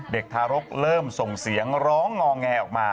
ทารกเริ่มส่งเสียงร้องงอแงออกมา